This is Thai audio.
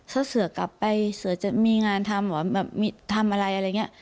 ถ้าเสือกลับไปเสือจะมีงานทำเหรอแบบมีทำอะไรอะไรอย่างนี้